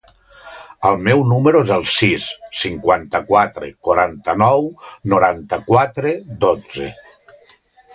El meu número es el sis, cinquanta-quatre, quaranta-nou, noranta-quatre, dotze.